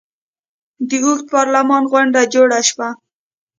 د اوږده پارلمان غونډه جوړه شوه.